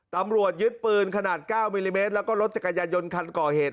ตำรวจยึดปืนขนาด๙มิลลิเมตรแล้วก็รถจักรยายนต์คันก่อเหตุ